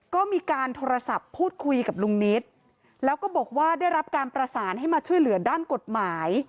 ก็มีการโทรศัพท์พูดคุยกับลุงนิดแล้วก็บอกว่าได้รับการประสานให้มาช่วยเหลือด้านกฎหมาย